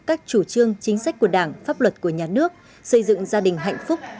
các chủ trương chính sách của đảng pháp luật của nhà nước xây dựng gia đình hạnh phúc